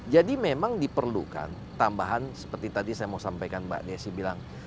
jadi memang diperlukan tambahan seperti tadi saya mau sampaikan mbak desy bilang